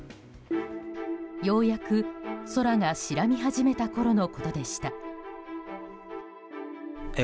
ようやく空が白み始めたころのことでした。